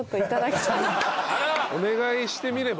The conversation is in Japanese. お願いしてみれば？